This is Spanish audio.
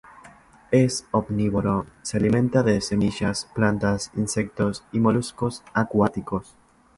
Es omnívoro; se alimenta de semillas, plantas, insectos y moluscos acuáticos.